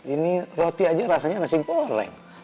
ini roti aja rasanya nasi goreng